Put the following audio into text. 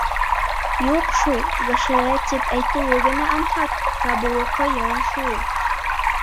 — Юҡ шул, ГШЭ тип әйтеүе генә анһат, табыуы ҡыйын шул...